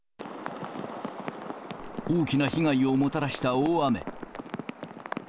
大きな被害をもたらした大雨。